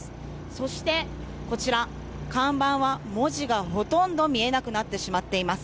そしてこちら、看板は文字がほとんど見えなくなってしまっています。